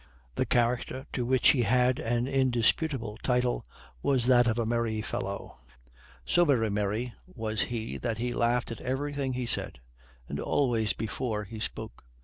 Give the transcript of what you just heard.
The character to which he had an indisputable title was that of a merry fellow; so very merry was he that he laughed at everything he said, and always before he spoke.